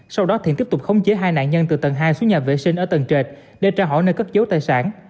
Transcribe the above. sau đó thiện tiếp tục khống chế hai nạn nhân từ tầng hai xuống nhà vệ sinh ở tầng trệt để trả hỏi nơi cất dấu tài sản